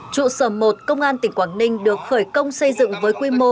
trụ sở một công an tỉnh quảng ninh được khởi công xây dựng với quy mô